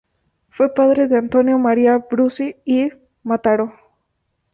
Fue padre de Antonio María Brusi y Mataró.